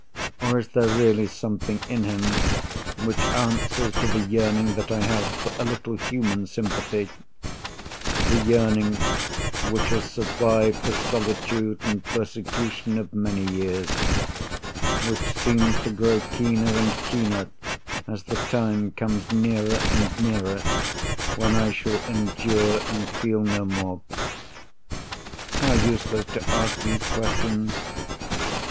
Or is there really something in him which answers to the yearning that I have for a little human sympathy—the yearning, which has survived the solitude and persecution of many years; which seems to grow keener and keener, as the time comes nearer and nearer when I shall endure and feel no more? How useless to ask these questions!